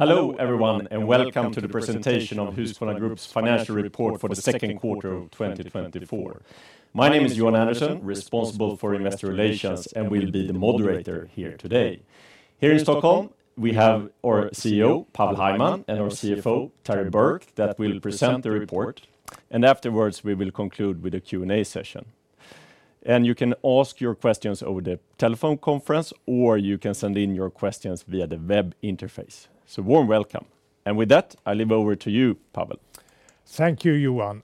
Hello everyone, and welcome to the presentation of Husqvarna Group's Financial Report for the Second Quarter of 2024. My name is Johan Andersson, responsible for investor relations, and will be the moderator here today. Here in Stockholm, we have our CEO, Pavel Hajman, and our CFO, Terry Burke, that will present the report, and afterwards we will conclude with a Q&A session. You can ask your questions over the telephone conference, or you can send in your questions via the web interface. Warm welcome. With that, I leave over to you, Pavel. Thank you, Johan,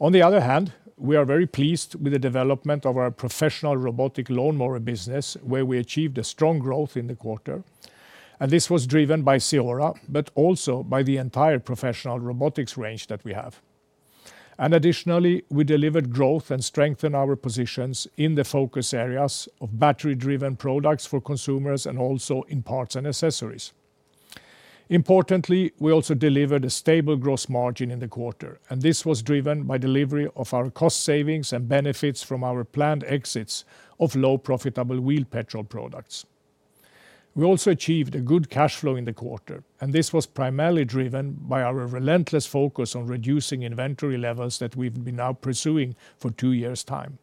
On the other hand, we are very pleased with the development of our professional robotic lawnmower business, where we achieved a strong growth in the quarter, and this was driven by CEORA, but also by the entire professional robotics range that we have. Additionally, we delivered growth and strengthened our positions in the focus areas of battery-driven products for consumers and also in parts and accessories. Importantly, we also delivered a stable gross margin in the quarter, and this was driven by delivery of our cost savings and benefits from our planned exits of low profitable wheeled petrol products. We also achieved a good cash flow in the quarter, and this was primarily driven by our relentless focus on reducing inventory levels that we've been now pursuing for two years' time.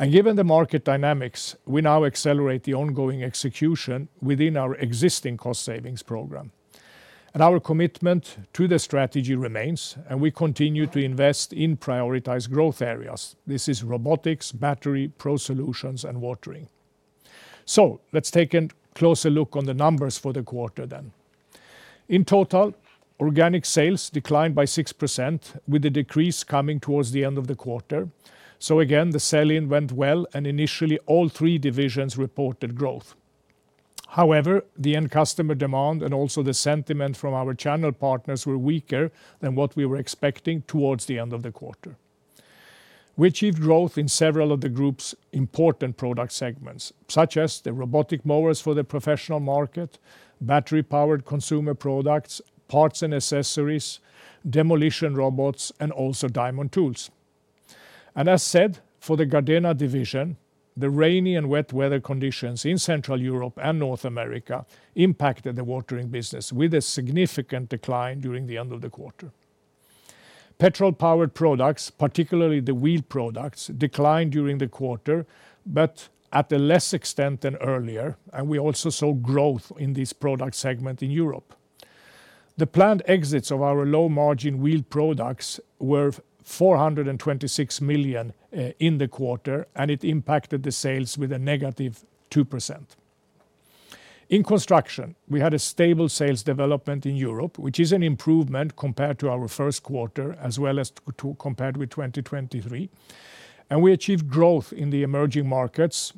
Given the market dynamics, we now accelerate the ongoing execution within our existing cost savings program. Our commitment to the strategy remains, and we continue to invest in prioritized growth areas. This is robotics, battery, pro solutions, and Watering. So let's take a closer look on the numbers for the quarter then. In total, organic sales declined by 6%, with the decrease coming towards the end of the quarter. So again, the sell-in went well, and initially all three divisions reported growth. However, the end customer demand and also the sentiment from our channel partners were weaker than what we were expecting towards the end of the quarter. We achieved growth in several of the group's important product segments, such as the robotic mowers for the professional market, battery-powered consumer products, parts and accessories, demolition robots, and also diamond tools. As said, for the Gardena Division, the rainy and wet weather conditions in Central Europe and North America impacted the Watering business with a significant decline during the end of the quarter. Petrol-powered products, particularly the wheeled products, declined during the quarter, but at a less extent than earlier, and we also saw growth in this product segment in Europe. The planned exits of our low-margin wheeled products were 426 million in the quarter, and it impacted the sales with -2%. In Construction, we had a stable sales development in Europe, which is an improvement compared to our first quarter, as well as compared with 2023, and we achieved growth in the emerging markets,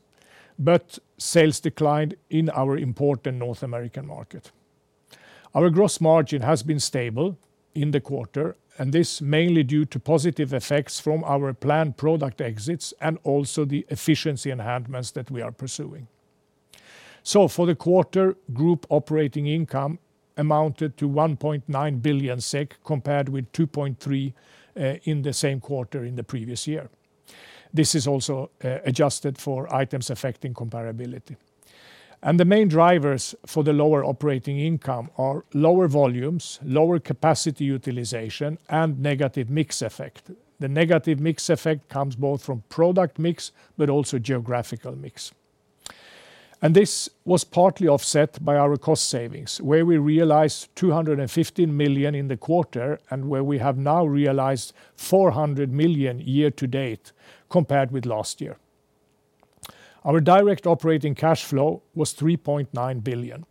but sales declined in our important North American market. Our gross margin has been stable in the quarter, and this mainly due to positive effects from our planned product exits and also the efficiency enhancements that we are pursuing. So for the quarter, group operating income amounted to 1.9 billion SEK, compared with 2.3 billion in the same quarter in the previous year. This is also adjusted for items affecting comparability. And the main drivers for the lower operating income are lower volumes, lower capacity utilization, and negative mix effect. The negative mix effect comes both from product mix, but also geographical mix. And this was partly offset by our cost savings, where we realized 215 million in the quarter, and where we have now realized 400 million year to date compared with last year. Our direct operating cash flow was 3.9 billion.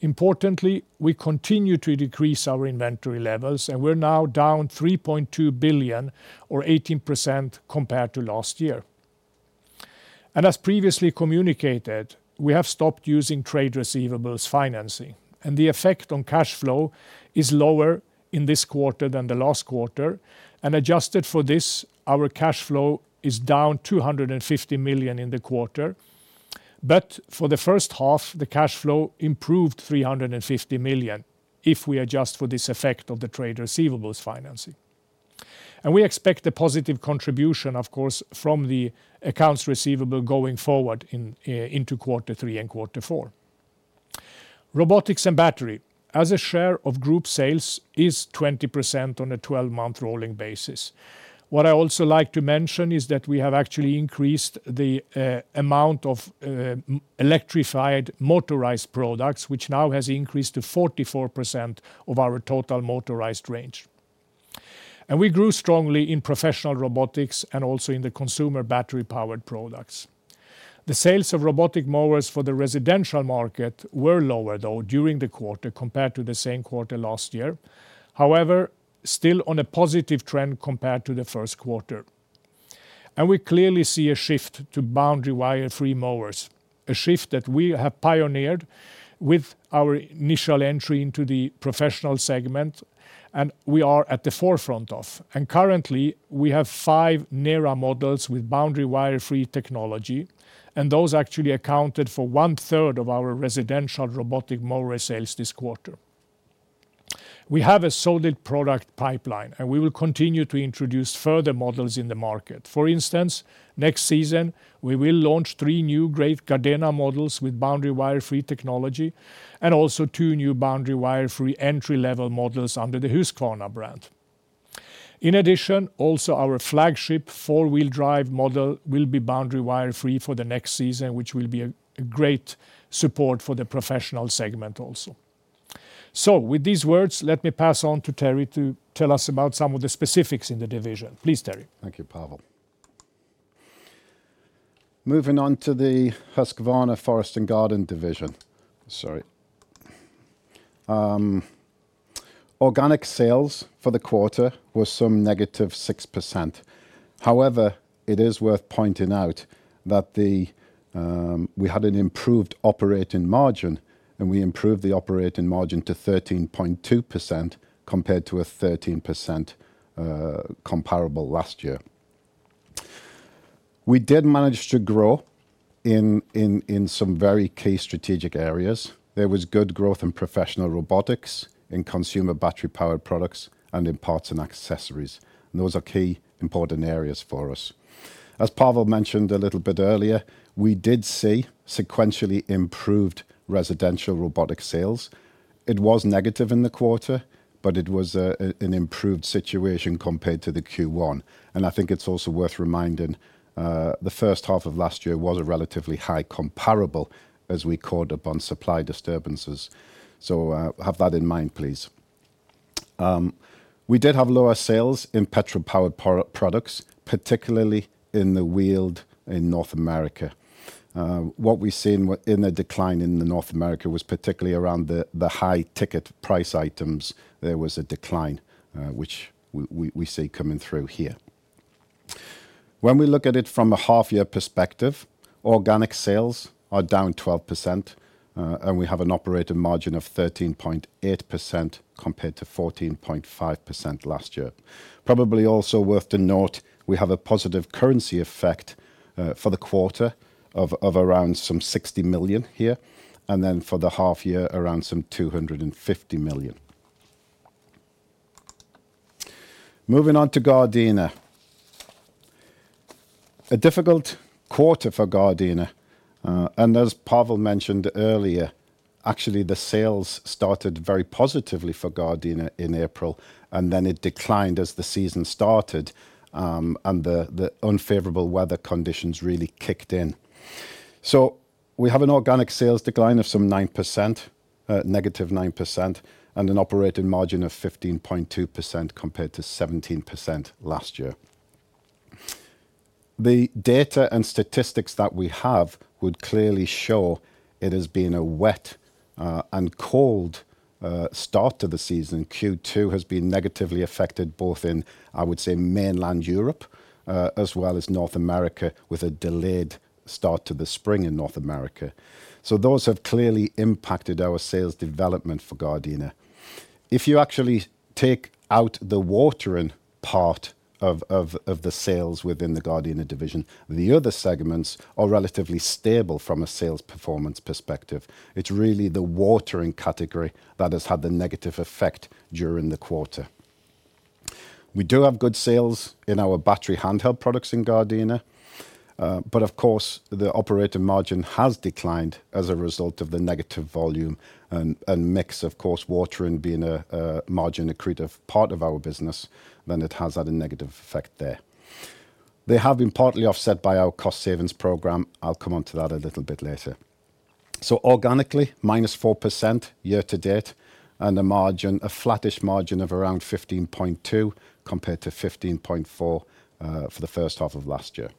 Importantly, we continue to decrease our inventory levels, and we're now down 3.2 billion, or 18% compared to last year. As previously communicated, we have stopped using trade receivables financing, and the effect on cash flow is lower in this quarter than the last quarter, and adjusted for this, our cash flow is down 250 million in the quarter. But for the first half, the cash flow improved 350 million if we adjust for this effect of the trade receivables financing. We expect a positive contribution, of course, from the accounts receivable going forward into quarter three and quarter four. Robotics and battery, as a share of group sales, is 20% on a 12-month rolling basis. What I also like to mention is that we have actually increased the amount of electrified motorized products, which now has increased to 44% of our total motorized range. We grew strongly in professional robotics and also in the consumer battery-powered products. The sales of robotic mowers for the residential market were lower, though, during the quarter compared to the same quarter last year. However, still on a positive trend compared to the first quarter. We clearly see a shift to boundary wire-free mowers, a shift that we have pioneered with our initial entry into the professional segment, and we are at the forefront of. Currently, we have five NERA models with boundary wire-free technology, and those actually accounted for one third of our residential robotic mower sales this quarter. We have a solid product pipeline, and we will continue to introduce further models in the market. For instance, next season, we will launch three new great Gardena models with boundary wire-free technology and also two new boundary wire-free entry-level models under the Husqvarna brand. In addition, also our flagship four-wheel drive model will be boundary wire-free for the next season, which will be a great support for the professional segment also. So with these words, let me pass on to Terry to tell us about some of the specifics in the division. Please, Terry. Thank you, Pavel. Moving on to the Husqvarna Forest & Garden Division. Sorry. Organic sales for the quarter were some -6%. However, it is worth pointing out that the we had an improved operating margin, and we improved the operating margin to 13.2%, compared to a 13% comparable last year. We did manage to grow in some very key strategic areas. There was good growth in professional robotics, in consumer battery-powered products, and in parts and accessories, and those are key important areas for us. As Pavel mentioned a little bit earlier, we did see sequentially improved residential robotic sales. It was negative in the quarter, but it was an improved situation compared to the Q1. I think it's also worth reminding, the first half of last year was a relatively high comparable as we caught up on supply disturbances. Have that in mind, please. We did have lower sales in petrol-powered professional products, particularly in the wheeled in North America. What we see in the decline in North America was particularly around the high ticket price items. There was a decline, which we see coming through here. When we look at it from a half year perspective, organic sales are down 12%, and we have an operating margin of 13.8%, compared to 14.5% last year. Probably also worth to note, we have a positive currency effect for the quarter of around some 60 million here, and then for the half year, around some 250 million. Moving on to Gardena. A difficult quarter for Gardena, and as Pavel mentioned earlier, actually, the sales started very positively for Gardena in April, and then it declined as the season started, and the unfavorable weather conditions really kicked in. So we have an organic sales decline of some 9%, -9%, and an operating margin of 15.2%, compared to 17% last year. The data and statistics that we have would clearly show it has been a wet, and cold, start to the season. Q2 has been negatively affected, both in, I would say, mainland Europe, as well as North America, with a delayed start to the spring in North America. So those have clearly impacted our sales development for Gardena. If you actually take out the Watering part of the sales within the Gardena Division, the other segments are relatively stable from a sales performance perspective. It's really the Watering category that has had the negative effect during the quarter. We do have good sales in our battery handheld products in Gardena, but of course, the operating margin has declined as a result of the negative volume and, and mix, of course, Watering being a margin accretive part of our business, then it has had a negative effect there. They have been partly offset by our cost savings program. I'll come on to that a little bit later. So organically, -4% year to date, and a margin, a flattish margin of around 15.2, compared to 15.4, for the first half of last year.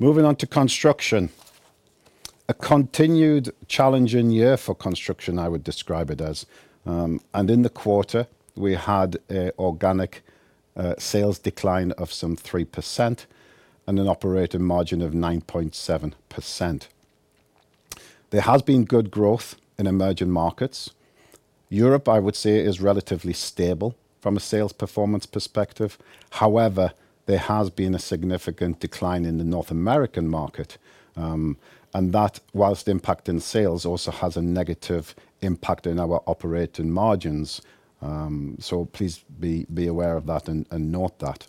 Moving on to Construction. A continued challenging year for Construction, I would describe it as. And in the quarter, we had a organic sales decline of some 3% and an operating margin of 9.7%. There has been good growth in emerging markets. Europe, I would say, is relatively stable from a sales performance perspective. However, there has been a significant decline in the North American market, and that, while impacting sales, also has a negative impact in our operating margins. So please be aware of that and note that.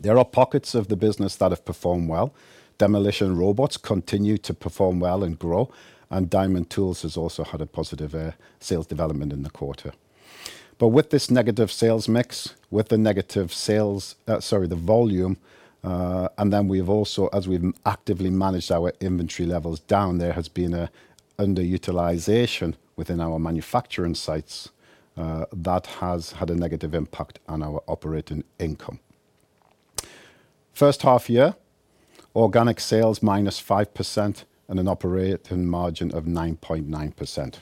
There are pockets of the business that have performed well. Demolition robots continue to perform well and grow, and diamond tools has also had a positive sales development in the quarter. But with this negative sales mix, with the negative sales—sorry, the volume, and then we've also, as we've actively managed our inventory levels down, there has been an underutilization within our manufacturing sites that has had a negative impact on our operating income. First half year, organic sales -5% and an operating margin of 9.9%.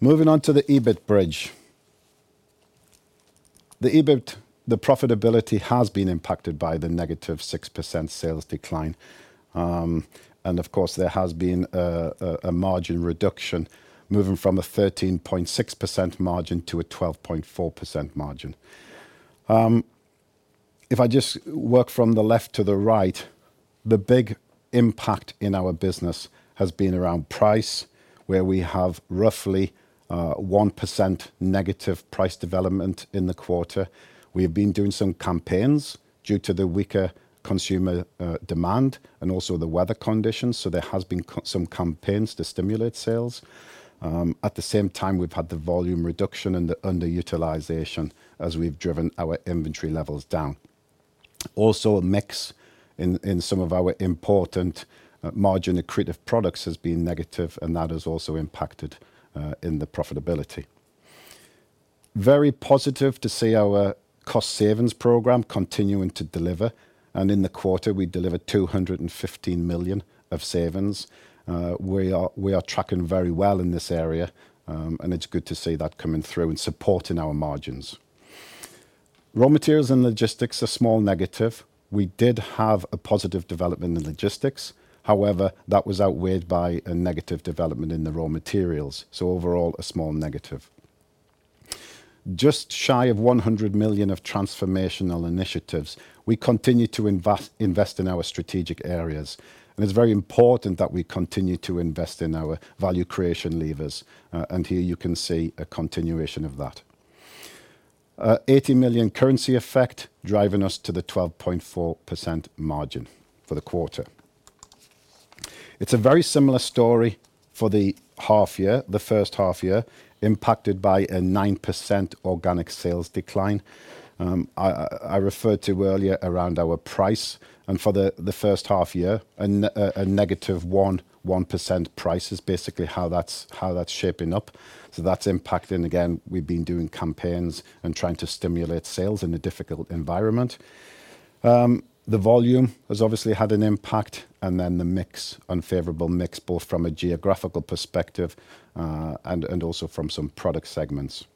Moving on to the EBIT bridge. The EBIT, the profitability has been impacted by the -6% sales decline. And of course, there has been a margin reduction, moving from a 13.6% margin to a 12.4% margin. If I just work from the left to the right, the big impact in our business has been around price, where we have roughly 1% negative price development in the quarter. We have been doing some campaigns due to the weaker consumer demand and also the weather conditions, so there has been some campaigns to stimulate sales. At the same time, we've had the volume reduction and the underutilization as we've driven our inventory levels down. Also, mix in, in some of our important, margin-accretive products has been negative, and that has also impacted, in the profitability. Very positive to see our cost savings program continuing to deliver, and in the quarter we delivered 215 million of savings. We are, we are tracking very well in this area, and it's good to see that coming through and supporting our margins. Raw materials and logistics are small negative. We did have a positive development in logistics. However, that was outweighed by a negative development in the raw materials, so overall, a small negative. Just shy of 100 million of transformational initiatives, we continue to invest, invest in our strategic areas, and it's very important that we continue to invest in our value creation levers. And here you can see a continuation of that. 80 million currency effect, driving us to the 12.4% margin for the quarter. It's a very similar story for the half year, the first half year, impacted by a 9% organic sales decline. I referred to earlier around our price and for the first half year, a -1.1% price is basically how that's shaping up. So that's impacting again, we've been doing campaigns and trying to stimulate sales in a difficult environment. The volume has obviously had an impact, and then the mix, unfavorable mix, both from a geographical perspective and also from some product segments.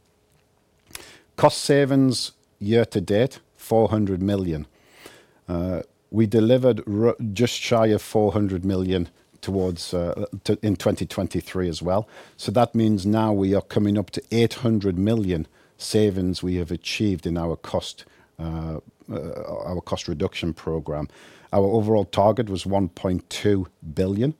Cost savings year to date, 400 million. We delivered just shy of 400 million towards in 2023 as well. So that means now we are coming up to 800 million savings we have achieved in our cost, our cost reduction program. Our overall target was 1.2 billion,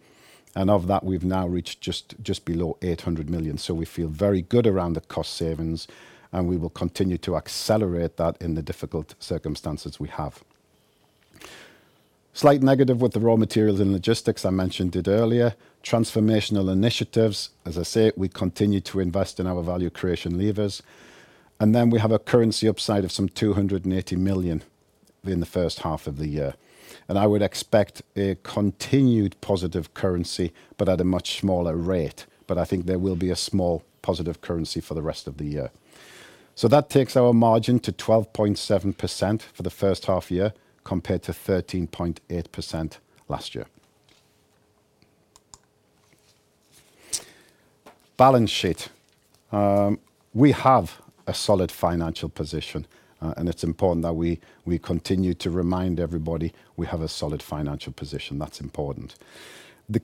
and of that, we've now reached just, just below 800 million. So we feel very good around the cost savings, and we will continue to accelerate that in the difficult circumstances we have. Slight negative with the raw materials and logistics, I mentioned it earlier. Transformational initiatives, as I say, we continue to invest in our value creation levers, and then we have a currency upside of some 280 million in the first half of the year. And I would expect a continued positive currency, but at a much smaller rate, but I think there will be a small positive currency for the rest of the year. So that takes our margin to 12.7% for the first half year, compared to 13.8% last year. Balance sheet. We have a solid financial position, and it's important that we continue to remind everybody we have a solid financial position. That's important. The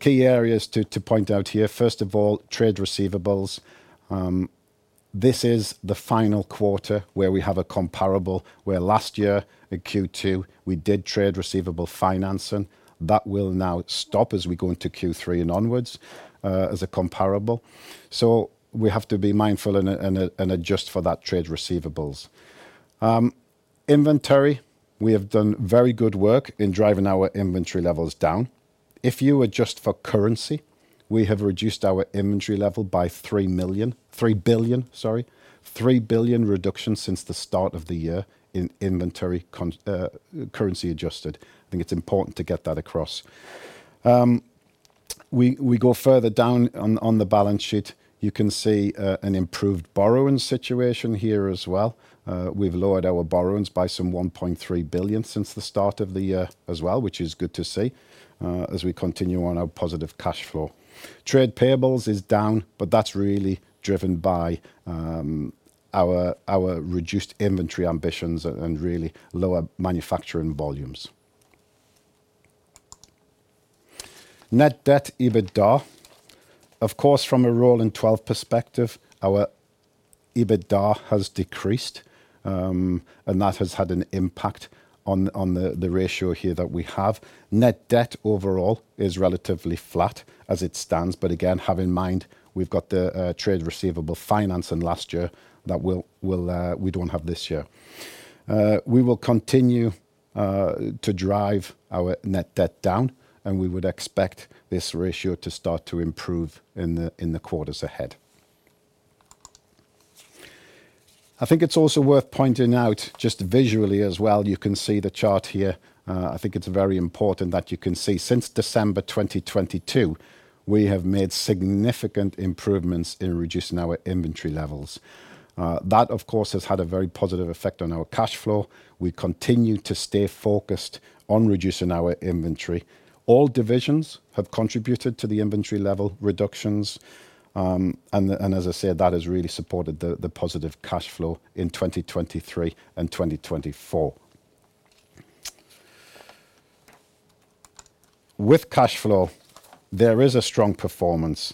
key areas to point out here, first of all, trade receivables. This is the final quarter where we have a comparable, where last year in Q2, we did trade receivables financing. That will now stop as we go into Q3 and onwards, as a comparable. So we have to be mindful and adjust for that trade receivables. Inventory, we have done very good work in driving our inventory levels down. If you adjust for currency, we have reduced our inventory level by 3 billion, sorry, 3 billion reduction since the start of the year in inventory currency adjusted. I think it's important to get that across. We go further down on the balance sheet. You can see an improved borrowing situation here as well. We've lowered our borrowings by some 1.3 billion since the start of the year as well, which is good to see, as we continue on our positive cash flow. Trade payables is down, but that's really driven by our reduced inventory ambitions and really lower manufacturing volumes. Net debt EBITDA. Of course, from a rolling twelve perspective, our EBITDA has decreased, and that has had an impact on the ratio here that we have. Net debt overall is relatively flat as it stands, but again, have in mind, we've got the trade receivable finance in last year that we don't have this year. We will continue to drive our net debt down, and we would expect this ratio to start to improve in the quarters ahead. I think it's also worth pointing out just visually as well, you can see the chart here. I think it's very important that you can see since December 2022, we have made significant improvements in reducing our inventory levels. That, of course, has had a very positive effect on our cash flow. We continue to stay focused on reducing our inventory. All divisions have contributed to the inventory level reductions, and as I said, that has really supported the positive cash flow in 2023 and 2024. With cash flow, there is a strong performance,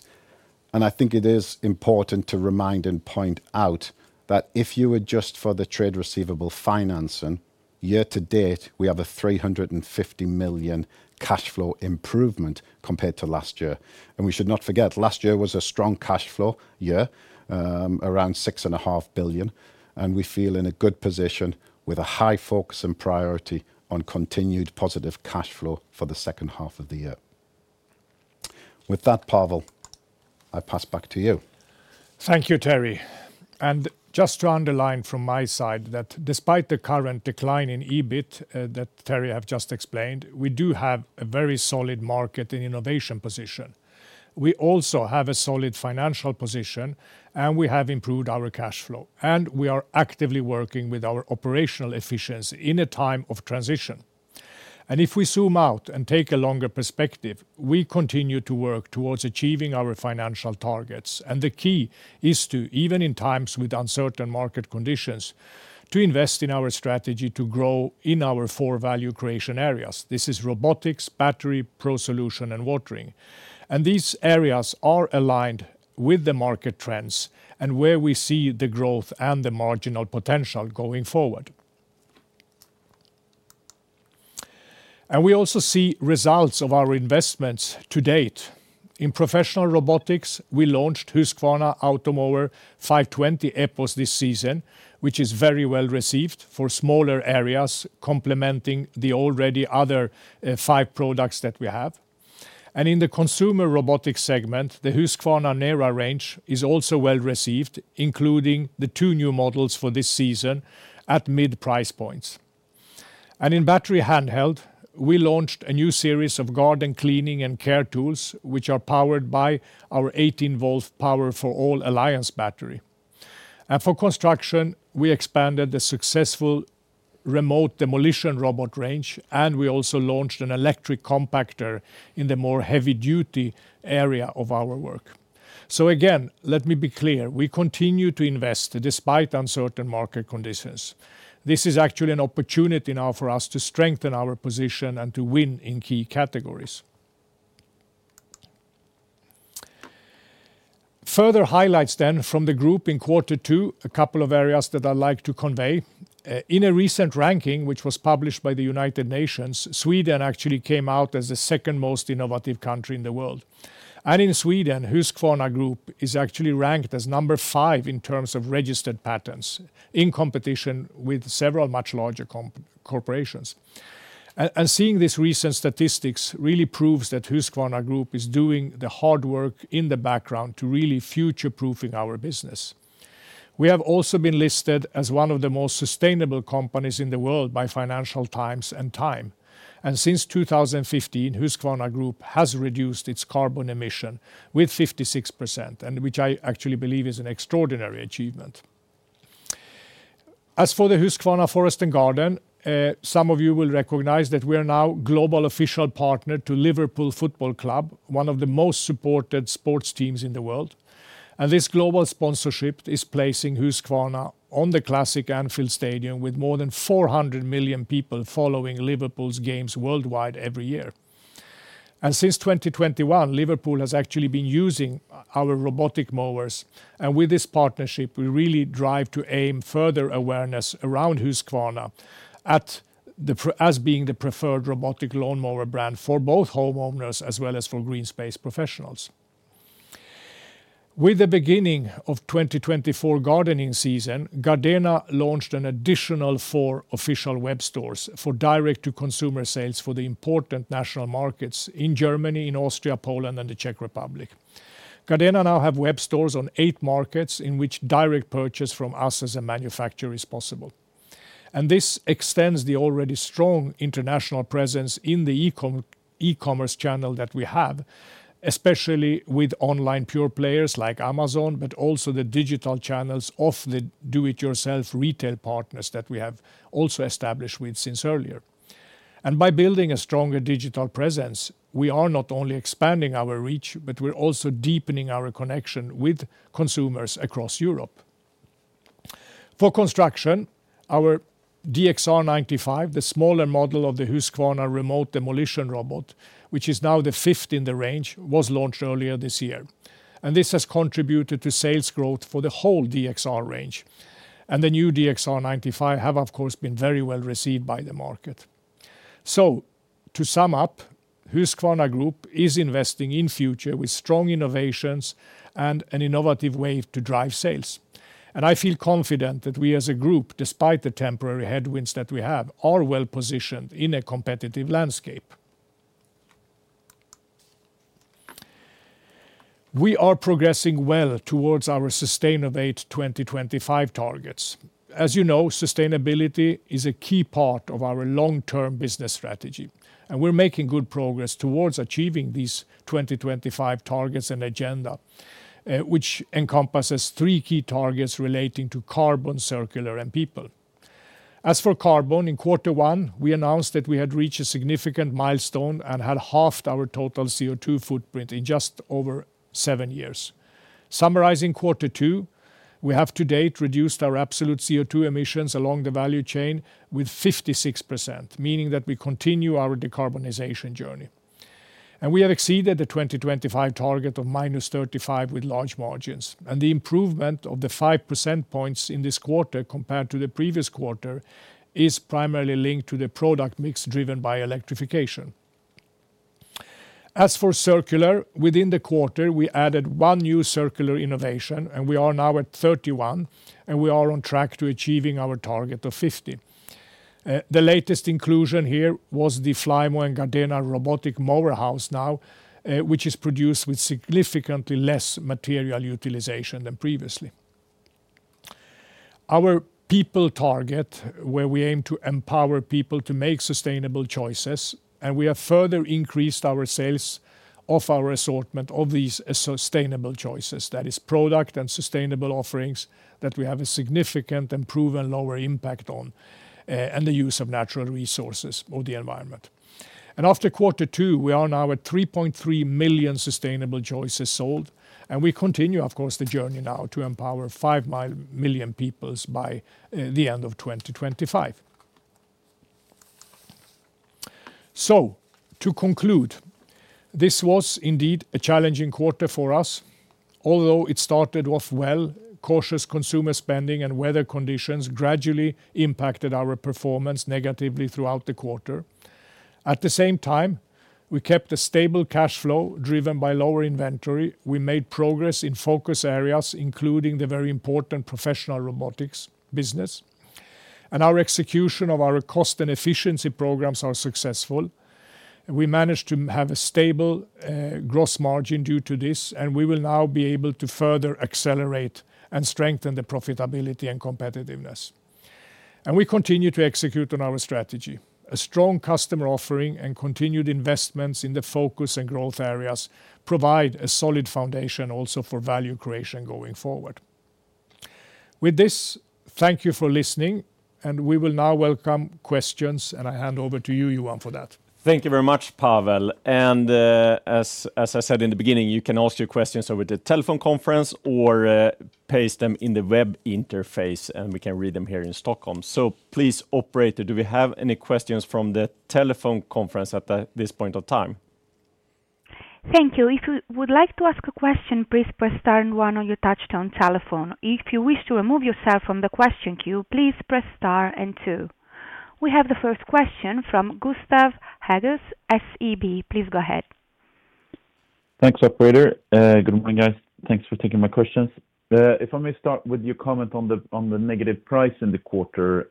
and I think it is important to remind and point out that if you adjust for the trade receivables financing, year to date, we have a 350 million cash flow improvement compared to last year. And we should not forget, last year was a strong cash flow year, around 6.5 billion, and we feel in a good position with a high focus and priority on continued positive cash flow for the second half of the year. With that, Pavel, I pass back to you. Thank you, Terry. Just to underline from my side that despite the current decline in EBIT, that Terry have just explained, we do have a very solid market and innovation position. We also have a solid financial position, and we have improved our cash flow, and we are actively working with our operational efficiency in a time of transition. If we zoom out and take a longer perspective, we continue to work towards achieving our financial targets. The key is to, even in times with uncertain market conditions, to invest in our strategy to grow in our four value creation areas. This is robotics, battery, pro solution, and Watering. These areas are aligned with the market trends and where we see the growth and the marginal potential going forward. We also see results of our investments to date. In professional robotics, we launched Husqvarna Automower 520 EPOS this season, which is very well received for smaller areas, complementing the already other, 5 products that we have. And in the consumer robotics segment, the Husqvarna NERA range is also well received, including the 2 new models for this season at mid-price points. And in battery handheld, we launched a new series of garden cleaning and care tools, which are powered by our 18-volt POWER FOR ALL Alliance battery. And for Construction, we expanded the successful remote demolition robot range, and we also launched an electric compactor in the more heavy-duty area of our work. So again, let me be clear, we continue to invest despite uncertain market conditions. This is actually an opportunity now for us to strengthen our position and to win in key categories. Further highlights then from the group in quarter two, a couple of areas that I'd like to convey. In a recent ranking, which was published by the United Nations, Sweden actually came out as the second most innovative country in the world. And in Sweden, Husqvarna Group is actually ranked as number 5 in terms of registered patents in competition with several much larger corporations. And seeing these recent statistics really proves that Husqvarna Group is doing the hard work in the background to really future-proofing our business. We have also been listed as one of the most sustainable companies in the world by Financial Times and Time. And since 2015, Husqvarna Group has reduced its carbon emission with 56%, and which I actually believe is an extraordinary achievement. As for the Husqvarna Forest & Garden, some of you will recognize that we are now global official partner to Liverpool Football Club, one of the most supported sports teams in the world. And this global sponsorship is placing Husqvarna on the classic Anfield Stadium with more than 400 million people following Liverpool's games worldwide every year. And since 2021, Liverpool has actually been using our robotic mowers, and with this partnership, we really drive to aim further awareness around Husqvarna as being the preferred robotic lawnmower brand for both homeowners as well as for green space professionals. With the beginning of 2024 gardening season, Gardena launched an additional four official web stores for direct-to-consumer sales for the important national markets in Germany, in Austria, Poland, and the Czech Republic. Gardena now have web stores on eight markets in which direct purchase from us as a manufacturer is possible. And this extends the already strong international presence in the e-commerce channel that we have, especially with online pure players like Amazon, but also the digital channels of the do-it-yourself retail partners that we have also established with since earlier. And by building a stronger digital presence, we are not only expanding our reach, but we're also deepening our connection with consumers across Europe. For Construction, our DXR 95, the smaller model of the Husqvarna remote demolition robot, which is now the fifth in the range, was launched earlier this year, and this has contributed to sales growth for the whole DXR range. And the new DXR 95 have, of course, been very well received by the market. So to sum up, Husqvarna Group is investing in future with strong innovations and an innovative way to drive sales. And I feel confident that we, as a group, despite the temporary headwinds that we have, are well positioned in a competitive landscape. We are progressing well towards our Sustainovate 2025 targets. As you know, sustainability is a key part of our long-term business strategy, and we're making good progress towards achieving these 2025 targets and agenda, which encompasses three key targets relating to carbon, circular, and people. As for carbon, in quarter one, we announced that we had reached a significant milestone and had halved our total CO2 footprint in just over 7 years. Summarizing quarter two, we have to date reduced our absolute CO2 emissions along the value chain with 56%, meaning that we continue our decarbonization journey. And we have exceeded the 2025 target of -35 with large margins, and the improvement of the 5 percentage points in this quarter compared to the previous quarter is primarily linked to the product mix, driven by electrification. As for circular, within the quarter, we added one new circular innovation, and we are now at 31, and we are on track to achieving our target of 50. The latest inclusion here was the Flymo and Gardena robotic mower housing, which is produced with significantly less material utilization than previously. Our people target, where we aim to empower people to make sustainable choices, and we have further increased our sales of our assortment of these sustainable choices. That is products and sustainable offerings that we have a significant and proven lower impact on, and the use of natural resources or the environment. After quarter two, we are now at 3.3 million sustainable choices sold, and we continue, of course, the journey now to empower 5 million peoples by the end of 2025. So to conclude, this was indeed a challenging quarter for us. Although it started off well, cautious consumer spending and weather conditions gradually impacted our performance negatively throughout the quarter. At the same time, we kept a stable cash flow, driven by lower inventory. We made progress in focus areas, including the very important professional robotics business. And our execution of our cost and efficiency programs are successful. We managed to have a stable gross margin due to this, and we will now be able to further accelerate and strengthen the profitability and competitiveness. And we continue to execute on our strategy. A strong customer offering and continued investments in the focus and growth areas provide a solid foundation also for value creation going forward. With this, thank you for listening, and we will now welcome questions, and I hand over to you, Johan, for that. Thank you very much, Pavel. And, as I said in the beginning, you can ask your questions over the telephone conference or paste them in the web interface, and we can read them here in Stockholm. So please, operator, do we have any questions from the telephone conference at this point of time? Thank you. If you would like to ask a question, please press star and one on your touchtone telephone. If you wish to remove yourself from the question queue, please press star and two. We have the first question from Gustav Hagéus, SEB. Please go ahead. Thanks, operator. Good morning, guys. Thanks for taking my questions. If I may start with your comment on the negative price in the quarter,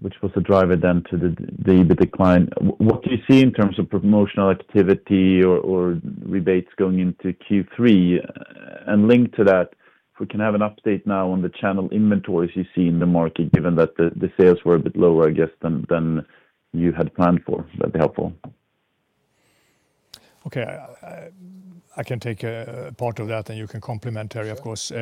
which was a driver then to the decline. What do you see in terms of promotional activity or rebates going into Q3? And linked to that, if we can have an update now on the channel inventories you see in the market, given that the sales were a bit lower, I guess, than you had planned for, that'd be helpful. Okay, I can take part of that, and you can complement, Terry, of course.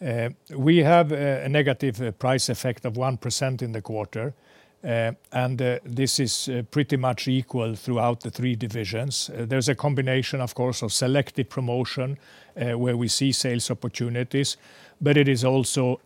Sure. We have a negative price effect of 1% in the quarter, and this is pretty much equal throughout the three divisions. There's a combination, of course, of selective promotion where we see sales opportunities, but it is also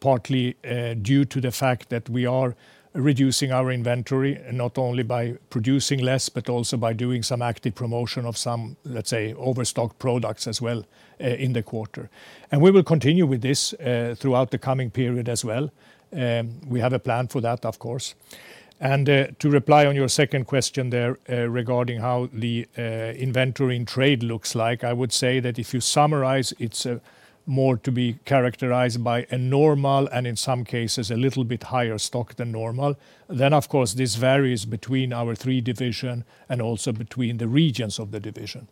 partly due to the fact that we are reducing our inventory, not only by producing less, but also by doing some active promotion of some, let's say, overstocked products as well in the quarter. And we will continue with this throughout the coming period as well. We have a plan for that, of course. To reply on your second question there, regarding how the inventory in trade looks like, I would say that if you summarize, it's more to be characterized by a normal and in some cases a little bit higher stock than normal. Then, of course, this varies between our three division and also between the regions of the division.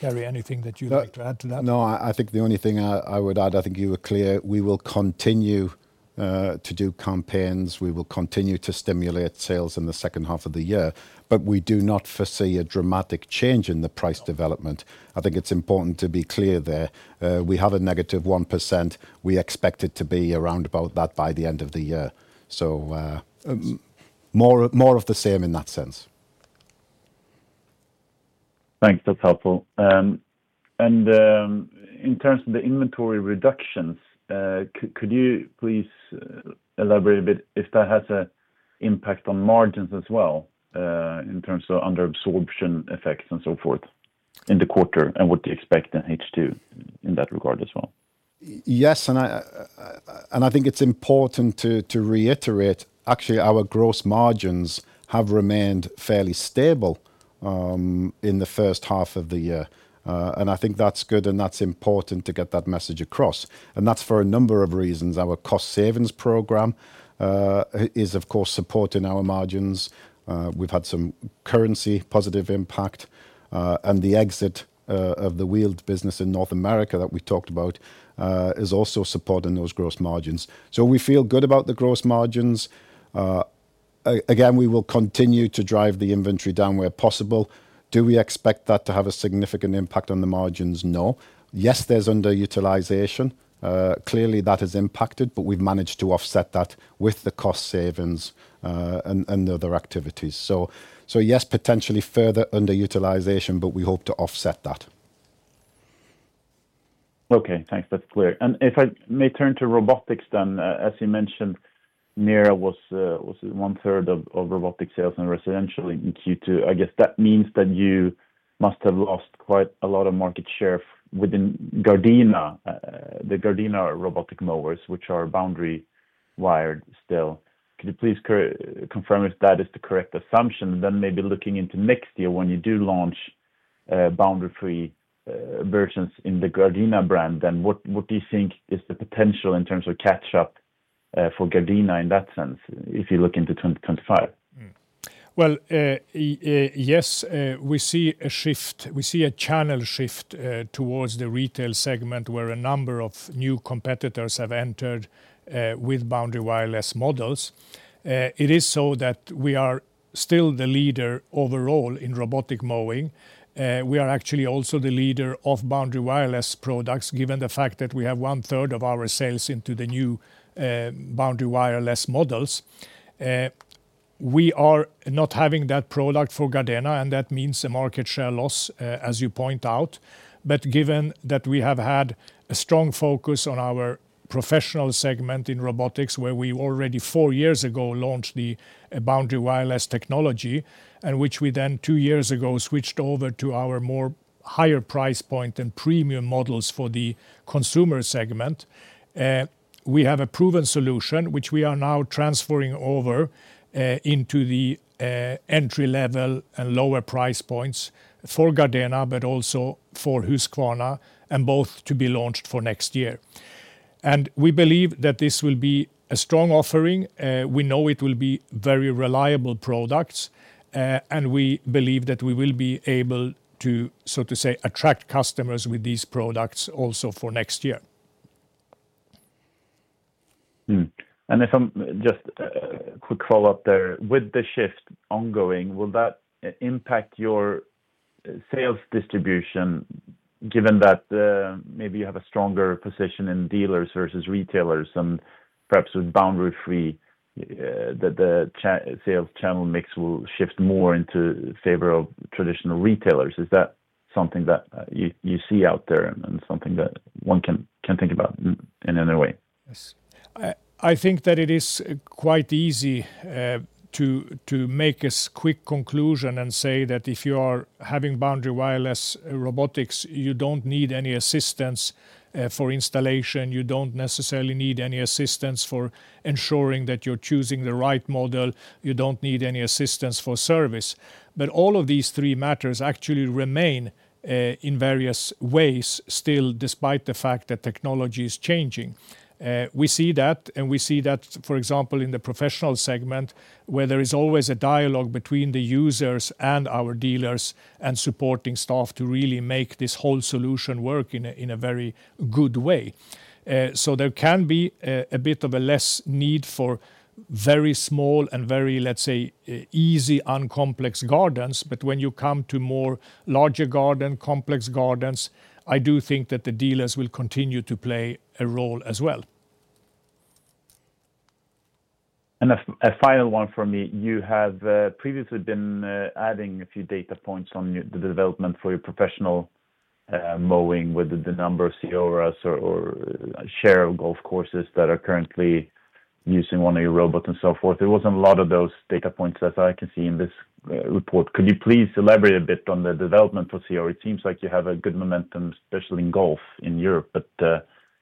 Terry, anything that you'd like to add to that? No, I think the only thing I would add, I think you were clear, we will continue to do campaigns. We will continue to stimulate sales in the second half of the year, but we do not foresee a dramatic change in the price development. I think it's important to be clear there. We have a -1%. We expect it to be around about that by the end of the year, so, more of the same in that sense. Thanks. That's helpful. And, in terms of the inventory reductions, could you please elaborate a bit if that has an impact on margins as well, in terms of under absorption effects and so forth in the quarter? And what do you expect in H2, in that regard as well? Yes, and I think it's important to reiterate, actually, our gross margins have remained fairly stable in the first half of the year. And I think that's good, and that's important to get that message across, and that's for a number of reasons. Our cost savings program is, of course, supporting our margins. We've had some currency positive impact, and the exit of the wheeled business in North America that we talked about is also supporting those gross margins. So we feel good about the gross margins. Again, we will continue to drive the inventory down where possible. Do we expect that to have a significant impact on the margins? No. Yes, there's underutilization. Clearly, that has impacted, but we've managed to offset that with the cost savings and other activities. So, yes, potentially further underutilization, but we hope to offset that. Okay, thanks. That's clear. And if I may turn to robotics then, as you mentioned, NERA was one-third of robotic sales and residential in Q2. I guess that means that you must have lost quite a lot of market share within Gardena, the Gardena robotic mowers, which are boundary wired still. Could you please confirm if that is the correct assumption? Then maybe looking into next year, when you do launch boundary-free versions in the Gardena brand, then what do you think is the potential in terms of catch up for Gardena in that sense, if you look into 2025? Well, yes, we see a shift, we see a channel shift towards the retail segment, where a number of new competitors have entered with boundary wire-free models. It is so that we are still the leader overall in robotic mowing. We are actually also the leader of boundary wire-free products, given the fact that we have one-third of our sales into the new boundary wire-free models. We are not having that product for Gardena, and that means a market share loss, as you point out. But given that we have had a strong focus on our professional segment in robotics, where we already four years ago launched the boundary wire-free technology, and which we then two years ago switched over to our more higher price point and premium models for the consumer segment. We have a proven solution, which we are now transferring over into the entry-level and lower price points for Gardena, but also for Husqvarna, and both to be launched for next year. We believe that this will be a strong offering. We know it will be very reliable products, and we believe that we will be able to, so to say, attract customers with these products also for next year. Just, quick follow-up there. With the shift ongoing, will that impact your sales distribution, given that, maybe you have a stronger position in dealers versus retailers, and perhaps with boundary free, that the sales channel mix will shift more into favor of traditional retailers? Is that something that you see out there and, something that one can think about in a way? Yes. I think that it is quite easy to make a quick conclusion and say that if you are having boundary wire-free robotics, you don't need any assistance for installation, you don't necessarily need any assistance for ensuring that you're choosing the right model, you don't need any assistance for service. But all of these three matters actually remain in various ways still, despite the fact that technology is changing. We see that, and we see that, for example, in the professional segment, where there is always a dialogue between the users and our dealers, and supporting staff to really make this whole solution work in a very good way. So there can be a bit of a less need for very small and very, let's say, easy and complex gardens. When you come to more larger garden, complex gardens, I do think that the dealers will continue to play a role as well. And a final one for me. You have previously been adding a few data points on your—the development for your professional mowing, with the number of CEORAs or share of golf courses that are currently using one of your robots and so forth. There wasn't a lot of those data points, as I can see in this report. Could you please elaborate a bit on the development for CEORA? It seems like you have a good momentum, especially in golf in Europe, but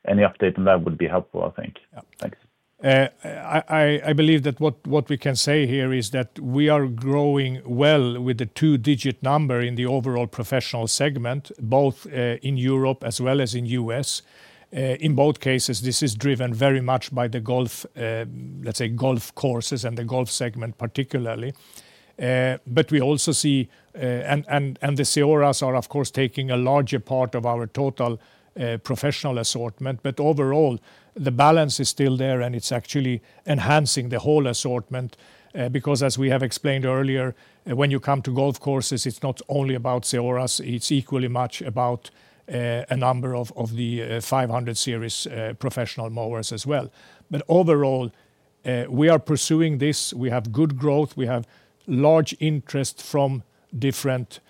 any update on that would be helpful, I think. Yeah. Thanks. I believe that what we can say here is that we are growing well with a two-digit number in the overall professional segment, both in Europe as well as in U.S. In both cases, this is driven very much by the golf, let's say, golf courses and the golf segment, particularly. But we also see... And the CEORAs are, of course, taking a larger part of our total professional assortment. But overall, the balance is still there, and it's actually enhancing the whole assortment, because as we have explained earlier, when you come to golf courses, it's not only about CEORAs, it's equally much about a number of the 500 series professional mowers as well. But overall, we are pursuing this. We have good growth. We have large interest from different,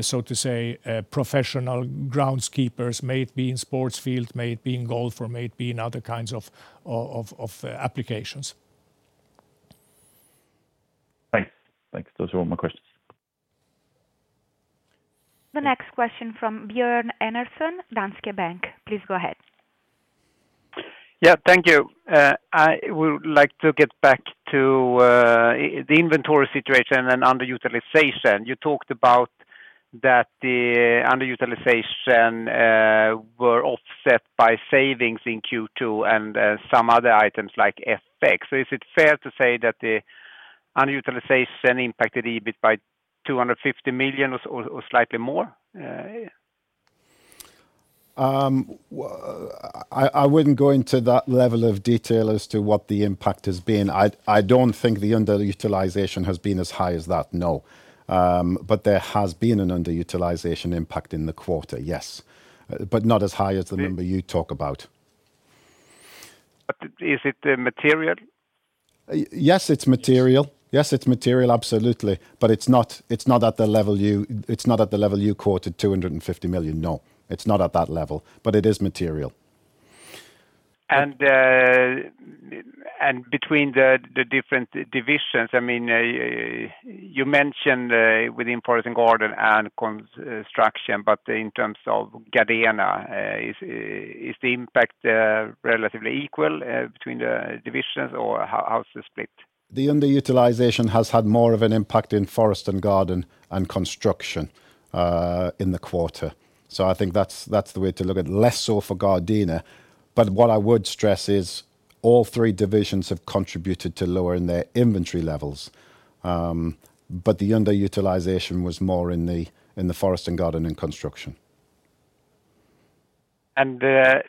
so to say, professional groundskeepers, may it be in sports field, may it be in golf, or may it be in other kinds of applications. Thanks. Thanks. Those are all my questions. The next question from Björn Enarson, Danske Bank. Please go ahead.... Yeah, thank you. I would like to get back to the inventory situation and underutilization. You talked about that the underutilization were offset by savings in Q2 and some other items like FX. So is it fair to say that the underutilization impacted EBIT by 250 million or, or, or slightly more? I wouldn't go into that level of detail as to what the impact has been. I don't think the underutilization has been as high as that, no. But there has been an underutilization impact in the quarter, yes, but not as high as the number you talk about. But is it material? Yes, it's material. Yes, it's material, absolutely, but it's not, it's not at the level you quoted, 250 million, no. It's not at that level, but it is material. And between the different divisions, I mean, you mentioned within Forest and Garden and Construction, but in terms of Gardena, is the impact relatively equal between the divisions or how's the split? The underutilization has had more of an impact in Forest and Garden and Construction, in the quarter. So I think that's, that's the way to look at it. Less so for Gardena, but what I would stress is all three divisions have contributed to lowering their inventory levels. But the underutilization was more in the Forest and Garden and Construction.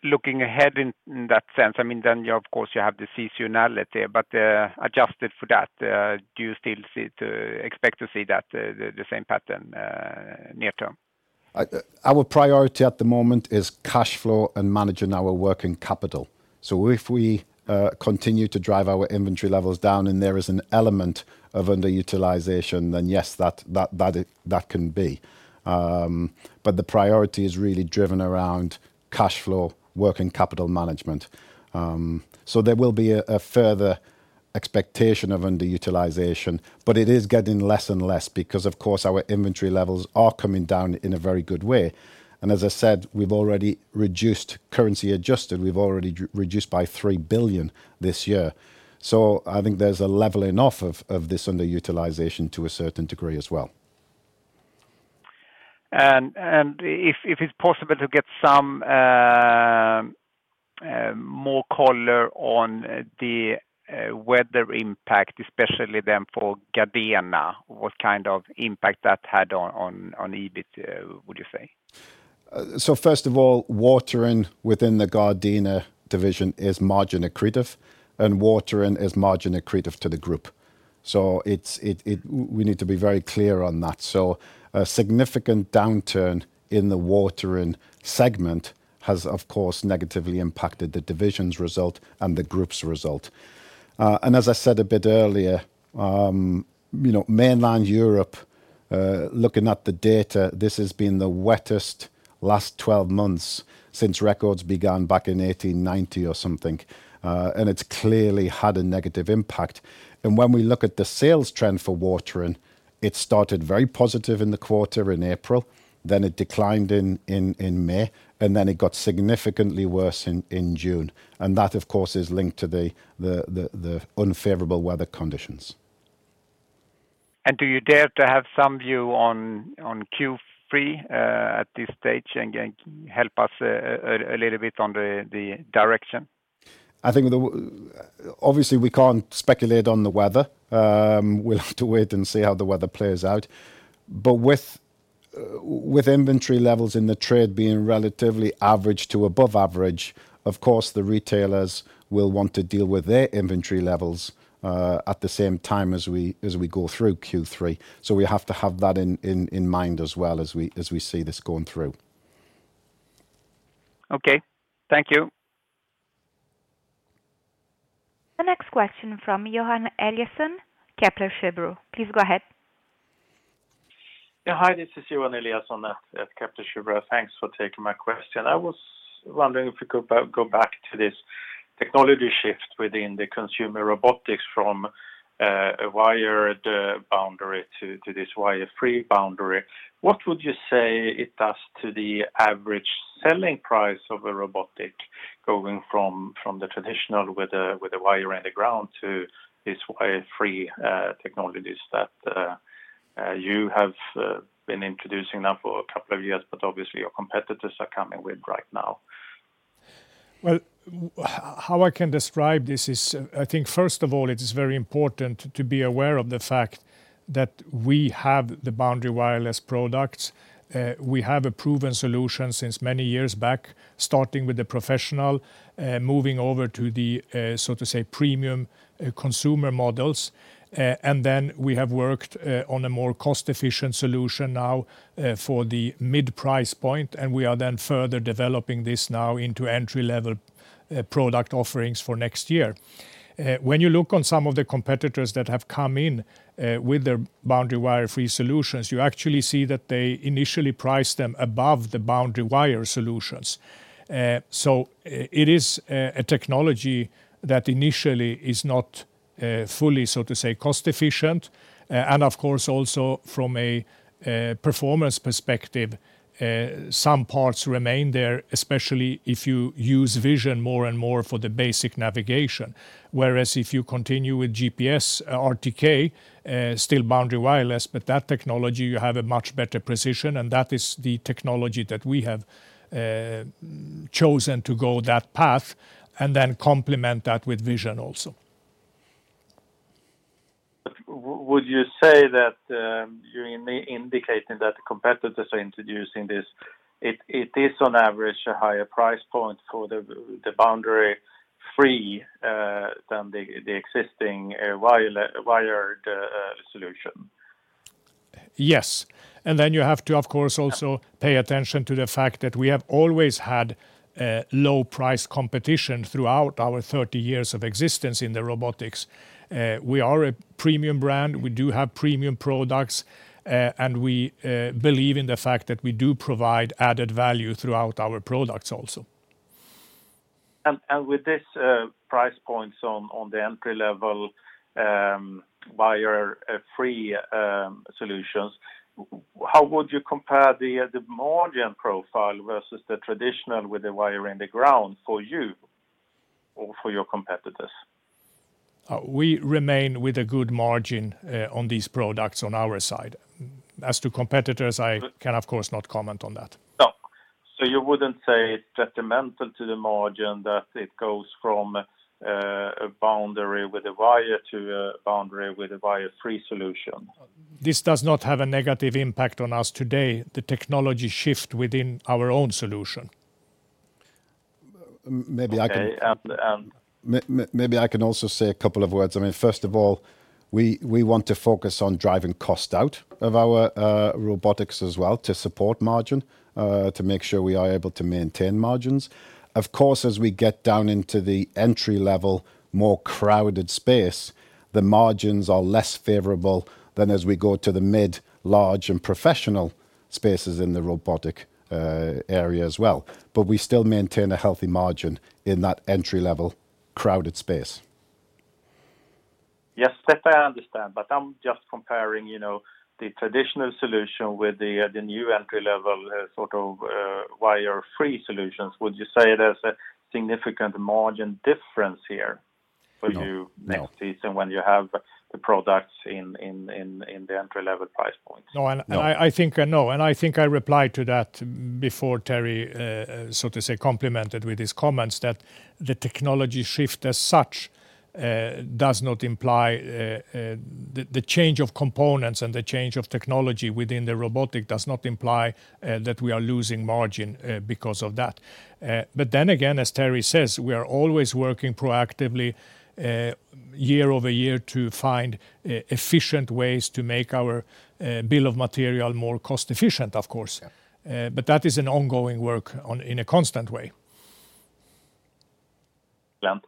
Looking ahead in that sense, I mean, then, of course, you have the seasonality, but adjusted for that, do you still expect to see that same pattern near term? Our priority at the moment is cash flow and managing our working capital. So if we continue to drive our inventory levels down, and there is an element of underutilization, then yes, that can be. But the priority is really driven around cash flow, working capital management. So there will be a further expectation of underutilization, but it is getting less and less because, of course, our inventory levels are coming down in a very good way. And as I said, we've already reduced. Currency-adjusted, we've already re-reduced by 3 billion this year. So I think there's a leveling off of this underutilization to a certain degree as well. And if it's possible to get some more color on the weather impact, especially then for Gardena, what kind of impact that had on EBIT, would you say? So first of all, Watering within the Gardena Division is margin accretive, and Watering is margin accretive to the group. So it's, we need to be very clear on that. So a significant downturn in the Watering segment has, of course, negatively impacted the division's result and the group's result. And as I said a bit earlier, you know, mainland Europe, looking at the data, this has been the wettest last 12 months since records began back in 1890 or something. And it's clearly had a negative impact. And when we look at the sales trend for Watering, it started very positive in the quarter in April, then it declined in May, and then it got significantly worse in June. And that, of course, is linked to the unfavorable weather conditions. And do you dare to have some view on Q3 at this stage and help us a little bit on the direction? I think obviously, we can't speculate on the weather. We'll have to wait and see how the weather plays out. But with inventory levels in the trade being relatively average to above average, of course, the retailers will want to deal with their inventory levels at the same time as we go through Q3. So we have to have that in mind as well as we see this going through. Okay. Thank you. The next question from Johan Eliason, Kepler Cheuvreux. Please go ahead. Yeah, hi, this is Johan Eliason at Kepler Cheuvreux. Thanks for taking my question. I was wondering if you could go back to this technology shift within the consumer robotics from a wired boundary to this wire-free boundary. What would you say it does to the average selling price of a robotic going from the traditional with a wire in the ground to this wire-free technologies that you have been introducing now for a couple of years, but obviously your competitors are coming with right now? Well, how I can describe this is, I think, first of all, it is very important to be aware of the fact that we have the boundary wire-free products. We have a proven solution since many years back, starting with the professional, moving over to the, so to say, premium consumer models. And then we have worked on a more cost-efficient solution now for the mid-price point, and we are then further developing this now into entry-level product offerings for next year. When you look on some of the competitors that have come in with their boundary wire-free solutions, you actually see that they initially priced them above the boundary wire solutions. So it is a technology that initially is not fully, so to say, cost efficient. And of course, also from a performance perspective, some parts remain there, especially if you use vision more and more for the basic navigation. Whereas if you continue with GPS, RTK, still boundary wire-free, but that technology, you have a much better precision, and that is the technology that we have chosen to go that path, and then complement that with vision also. But would you say that you're indicating that the competitors are introducing this, it is, on average, a higher price point for the boundary free than the existing wired solution? Yes. And then you have to, of course, also pay attention to the fact that we have always had low price competition throughout our 30 years of existence in the robotics. We are a premium brand, we do have premium products, and we believe in the fact that we do provide added value throughout our products also. With this price points on the entry-level wire-free solutions, how would you compare the margin profile versus the traditional with the wire in the ground for you or for your competitors? We remain with a good margin, on these products on our side. As to competitors, I can, of course, not comment on that. No. So you wouldn't say detrimental to the margin, that it goes from a boundary with a wire to a boundary with a wire-free solution? This does not have a negative impact on us today, the technology shift within our own solution. Maybe I can- Okay, and. Maybe I can also say a couple of words. I mean, first of all, we, we want to focus on driving cost out of our robotics as well, to support margin, to make sure we are able to maintain margins. Of course, as we get down into the entry-level, more crowded space, the margins are less favorable than as we go to the mid, large, and professional spaces in the robotic area as well. But we still maintain a healthy margin in that entry-level, crowded space. Yes, that I understand, but I'm just comparing, you know, the traditional solution with the new entry-level, sort of, wire-free solutions. Would you say there's a significant margin difference here for you? No. Next season when you have the products in the entry-level price point? No, and I think I replied to that before Terry, so to say, complemented with his comments, that the technology shift as such does not imply... The change of components and the change of technology within the robotic does not imply that we are losing margin because of that. But then again, as Terry says, we are always working proactively, year over year, to find efficient ways to make our bill of material more cost efficient, of course. Yeah. But that is an ongoing work on, in a constant way. Well,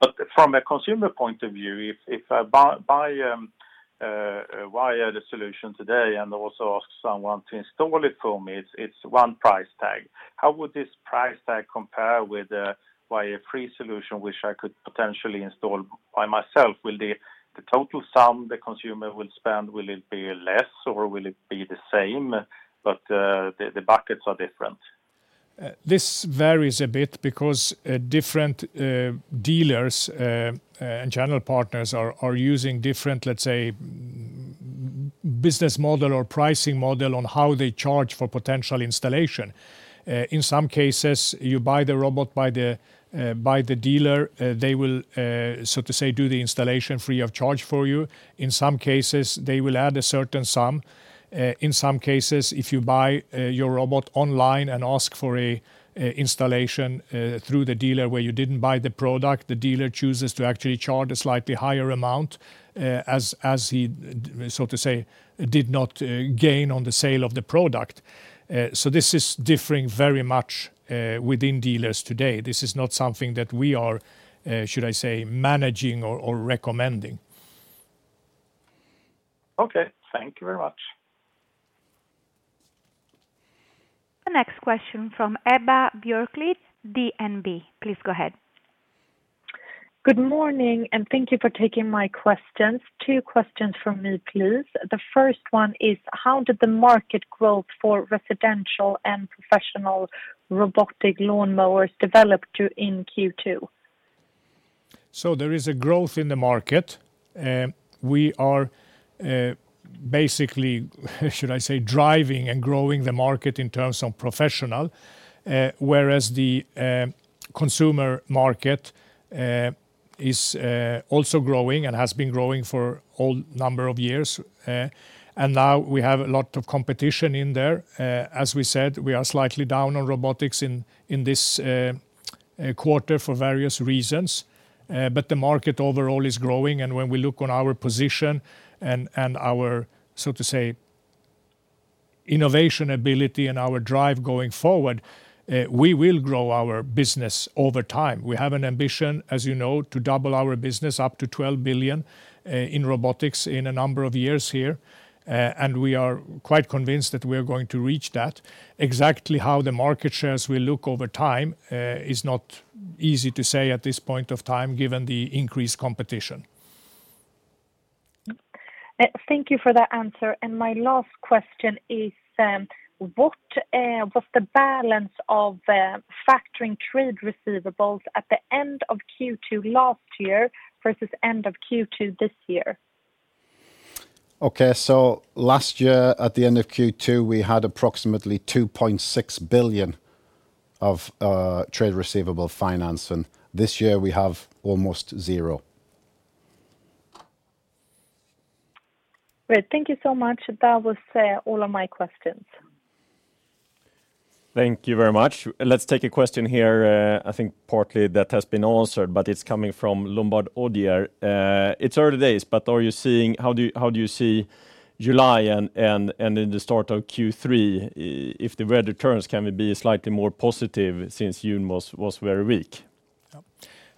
but from a consumer point of view, if I buy a wired solution today and also ask someone to install it for me, it's one price tag. How would this price tag compare with a wire-free solution, which I could potentially install by myself? Will the total sum the consumer will spend, will it be less, or will it be the same, but the buckets are different? This varies a bit because different dealers and channel partners are using different, let's say, business model or pricing model on how they charge for potential installation. In some cases, you buy the robot by the dealer, they will, so to say, do the installation free of charge for you. In some cases, they will add a certain sum. In some cases, if you buy your robot online and ask for a installation through the dealer where you didn't buy the product, the dealer chooses to actually charge a slightly higher amount, as he, so to say, did not gain on the sale of the product. So this is differing very much within dealers today. This is not something that we are, should I say, managing or recommending. Okay. Thank you very much. The next question from Ebba Björklid, DNB. Please go ahead. Good morning, and thank you for taking my questions. Two questions from me, please. The first one is: how did the market growth for residential and professional robotic lawn mowers develop in Q2? There is a growth in the market. We are basically, should I say, driving and growing the market in terms of professional, whereas the consumer market is also growing and has been growing for whole number of years, and now we have a lot of competition in there. As we said, we are slightly down on robotics in this quarter for various reasons, but the market overall is growing. When we look on our position and our, so to say, innovation ability and our drive going forward, we will grow our business over time. We have an ambition, as you know, to double our business up to 12 billion in robotics in a number of years here. We are quite convinced that we are going to reach that. Exactly how the market shares will look over time is not easy to say at this point of time, given the increased competition. Thank you for that answer. My last question is, what was the balance of factoring trade receivables at the end of Q2 last year versus end of Q2 this year? Okay, so last year, at the end of Q2, we had approximately 2.6 billion of trade receivables financing, and this year we have almost zero. Great. Thank you so much. That was all of my questions. Thank you very much. Let's take a question here. I think partly that has been answered, but it's coming from Lombard Odier. It's early days, but are you seeing? How do you see July and in the start of Q3? If the weather turns, can we be slightly more positive since June was very weak?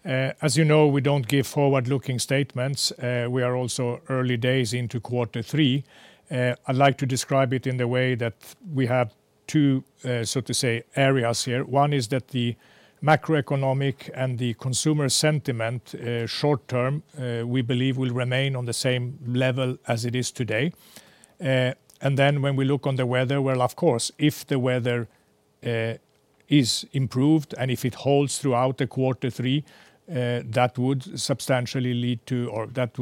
As you know, we don't give forward-looking statements. We are also early days into quarter three. I'd like to describe it in the way that we have two, so to say, areas here. One is that the macroeconomic and the consumer sentiment, short term, we believe will remain on the same level as it is today. And then when we look on the weather, well, of course, if the weather is improved, and if it holds throughout the quarter three, that would substantially lead to or that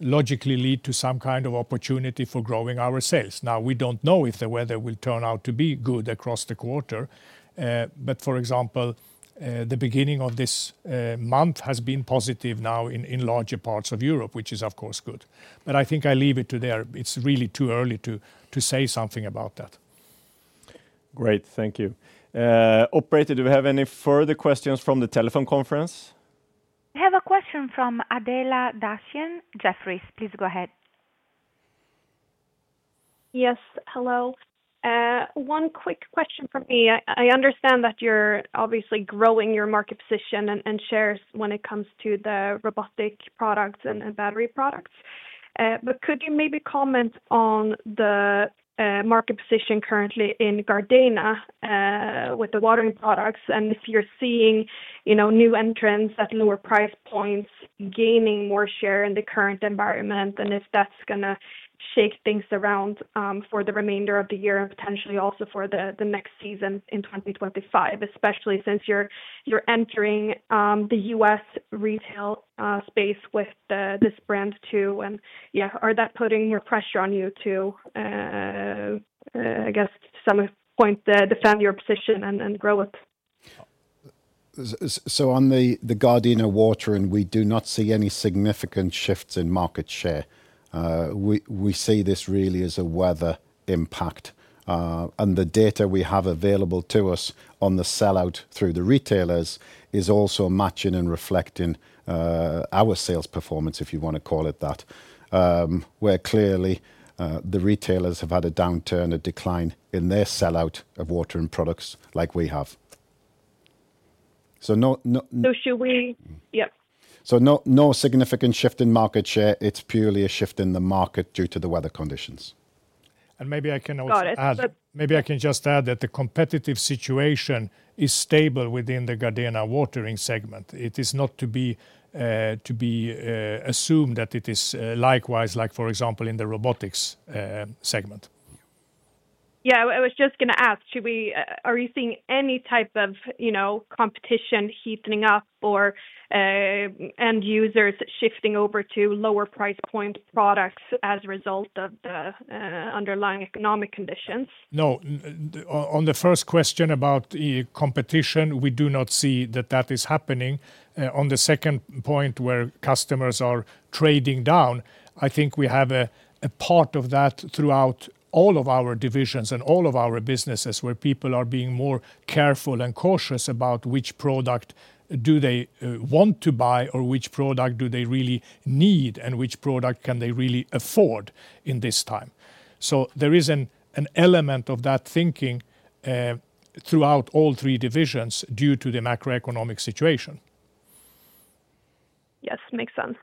would logically lead to some kind of opportunity for growing our sales. Now, we don't know if the weather will turn out to be good across the quarter, but for example, the beginning of this month has been positive now in larger parts of Europe, which is, of course, good. But I think I leave it to there. It's really too early to say something about that. Great, thank you. Operator, do we have any further questions from the telephone conference? I have a question from Adela Dashian, Jefferies. Please go ahead. Yes, hello. One quick question from me. I understand that you're obviously growing your market position and shares when it comes to the robotic products and battery products. But could you maybe comment on the market position currently in Gardena with the Watering products, and if you're seeing, you know, new entrants at lower price points, gaining more share in the current environment, and if that's gonna shake things around for the remainder of the year and potentially also for the next season in 2025? Especially since you're entering the US retail space with this brand, too. And, yeah, is that putting pressure on you to, I guess, some point, defend your position and grow it? So on the Gardena Watering, we do not see any significant shifts in market share. We see this really as a weather impact, and the data we have available to us on the sell-out through the retailers is also matching and reflecting our sales performance, if you want to call it that. Where clearly, the retailers have had a downturn, a decline in their sell-out of Watering products like we have. So no, no- So should we... Yep. No, no significant shift in market share. It's purely a shift in the market due to the weather conditions. Maybe I can also add- Got it. Maybe I can just add that the competitive situation is stable within the Gardena Watering segment. It is not to be assumed that it is likewise, like, for example, in the robotics segment. Yeah, I was just gonna ask, are you seeing any type of, you know, competition heating up or end users shifting over to lower price point products as a result of the underlying economic conditions? No, on the first question about competition, we do not see that that is happening. On the second point, where customers are trading down, I think we have a part of that throughout all of our divisions and all of our businesses, where people are being more careful and cautious about which product do they want to buy, or which product do they really need, and which product can they really afford in this time. So there is an element of that thinking throughout all three divisions due to the macroeconomic situation. Yes, makes sense.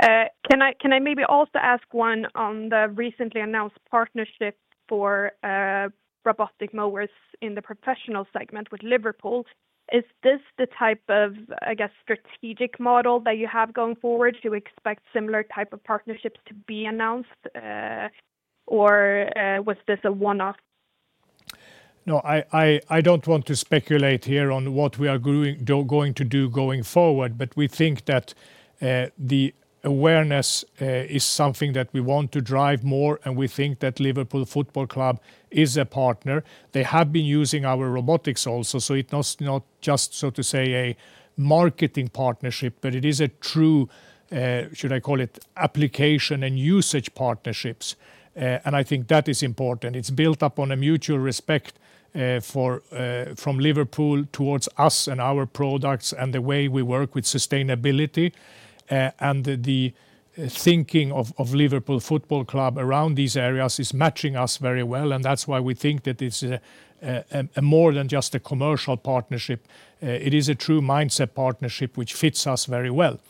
Can I maybe also ask one on the recently announced partnership for robotic mowers in the professional segment with Liverpool? Is this the type of, I guess, strategic model that you have going forward? Do you expect similar type of partnerships to be announced, or was this a one-off? No, I don't want to speculate here on what we are going to do going forward, but we think that the awareness is something that we want to drive more, and we think that Liverpool Football Club is a partner. They have been using our robotics also, so it's not just, so to say, a marketing partnership, but it is a true should I call it, application and usage partnerships. And I think that is important. It's built upon a mutual respect from Liverpool towards us and our products, and the way we work with sustainability. And the thinking of Liverpool Football Club around these areas is matching us very well, and that's why we think that it's a more than just a commercial partnership. It is a true mindset partnership, which fits us very well.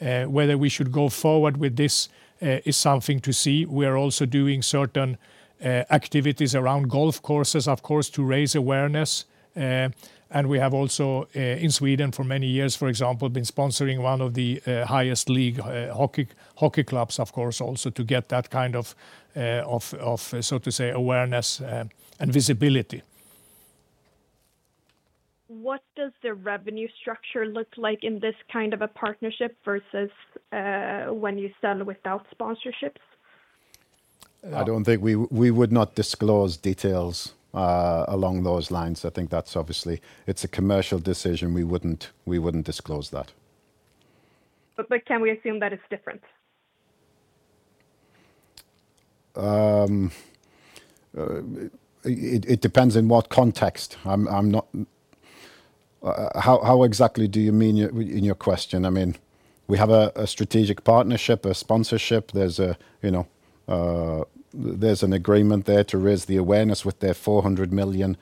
Whether we should go forward with this is something to see. We are also doing certain activities around golf courses, of course, to raise awareness. We have also in Sweden for many years, for example, been sponsoring one of the highest league hockey clubs, of course, also, to get that kind of so to say awareness and visibility. What does the revenue structure look like in this kind of a partnership versus, when you sell without sponsorships? I don't think we would not disclose details along those lines. I think that's obviously... It's a commercial decision. We wouldn't disclose that. But can we assume that it's different? It depends on what context. How exactly do you mean in your question? I mean, we have a strategic partnership, a sponsorship. You know, there's an agreement there to raise the awareness with their 400 million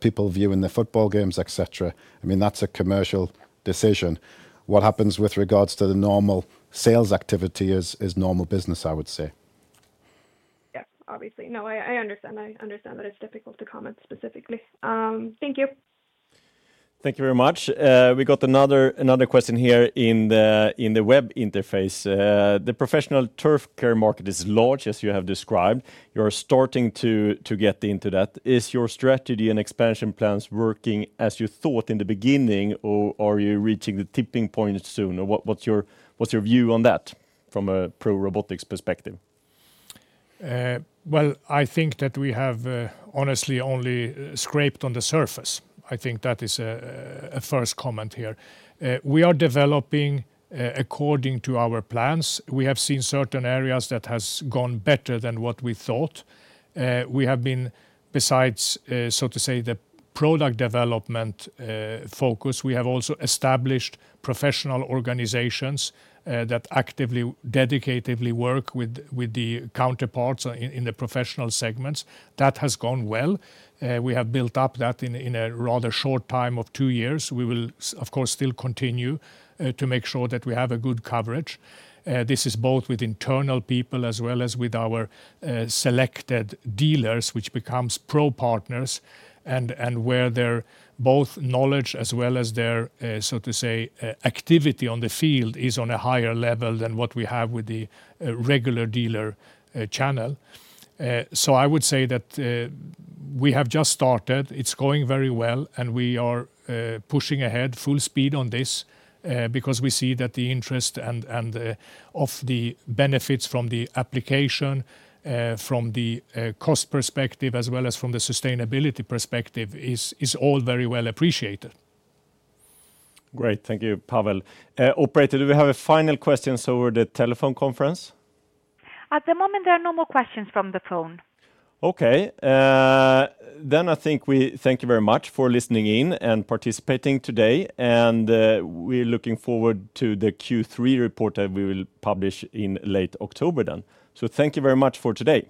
people viewing the football games, et cetera. I mean, that's a commercial decision. What happens with regards to the normal sales activity is normal business, I would say. Yes, obviously. No, I, I understand. I understand that it's difficult to comment specifically. Thank you. Thank you very much. We got another question here in the web interface. The professional turf care market is large, as you have described. You're starting to get into that. Is your strategy and expansion plans working as you thought in the beginning, or are you reaching the tipping point soon? Or what's your view on that, from a pro robotics perspective? Well, I think that we have, honestly only scraped on the surface. I think that is a first comment here. We are developing according to our plans. We have seen certain areas that has gone better than what we thought. We have been, besides, so to say, the product development focus, we have also established professional organizations that actively, dedicatively work with the counterparts in the professional segments. That has gone well. We have built up that in a rather short time of two years. We will, of course, still continue to make sure that we have a good coverage. This is both with internal people as well as with our selected dealers, which becomes Pro Partners, and where their both knowledge as well as their so to say activity on the field is on a higher level than what we have with the regular dealer channel. So I would say that we have just started. It's going very well, and we are pushing ahead full speed on this because we see that the interest and of the benefits from the application from the cost perspective, as well as from the sustainability perspective, is all very well appreciated. Great. Thank you, Pavel. Operator, do we have a final question over the telephone conference? At the moment, there are no more questions from the phone. Okay. Then I think we thank you very much for listening in and participating today, and, we're looking forward to the Q3 report that we will publish in late October then. So thank you very much for today.